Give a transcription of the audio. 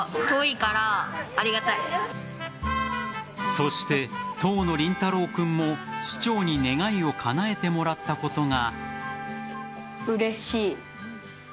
そして、当の凛太郎君も市長に願いをかなえてもらったことが。